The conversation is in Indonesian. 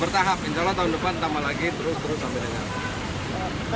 bertahap insya allah tahun depan tambah lagi terus terus sampai dengan